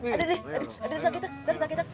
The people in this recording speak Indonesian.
aduh aduh aduh sakit sakit sakit